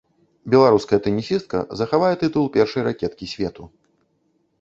Беларуская тэнісістка захавае тытул першай ракеткі свету.